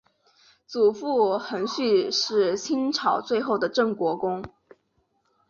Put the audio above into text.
祖父恒煦是清朝最后的镇国公。